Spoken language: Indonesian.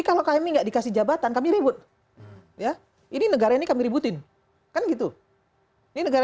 kalau kami nggak dikasih jabatan kami ribut ya ini negara ini kami ributin kan gitu ini negara